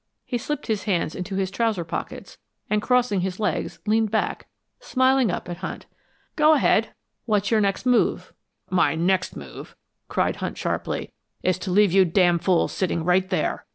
He slipped his hands into his trouser pockets, and crossing his legs, leaned back, smiling up at Hunt. "Go ahead; what's your next move?" "My next move," cried Hunt, sharply, "is to leave you damn fools sitting right there.